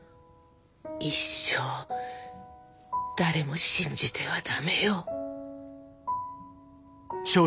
一生誰も信じてはダメよ。